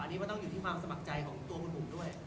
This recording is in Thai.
อันนี้มันต้องอยู่ที่ความสมัครใจของตัวคุณหนุ่มด้วย